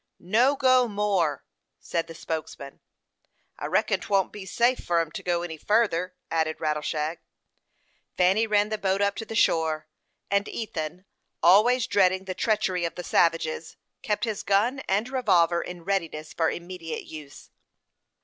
"No go more," said the spokesman. "I reckon 'twon't be safe for 'em to go any further," added Rattleshag. Fanny ran the boat up to the shore, and Ethan, always dreading the treachery of the savages, kept his gun and revolver in readiness for immediate use.